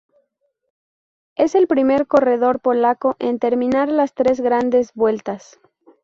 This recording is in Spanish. Es el primer corredor polaco en terminar las tres grandes vueltas.